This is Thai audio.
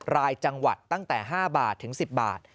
รายจังหวัดตั้งแต่๕บาทถึง๑๐บาท